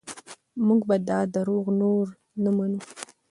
موږ به دا دروغ نور نه منو.